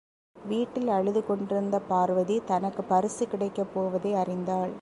வீட்டில் அழுதுகொண்டிருந்த பார்வதி, தனக்குப் பரிசு கிடைக்கப் போவதை அறிந்தாள்.